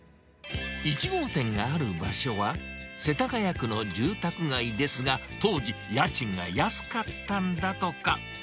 １号店がある場所は、世田谷区の住宅街ですが、当時、家賃が安かったんだとか。